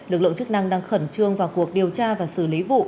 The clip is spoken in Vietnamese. lực lượng chức năng đang khẩn trương vào cuộc điều tra và xử lý vụ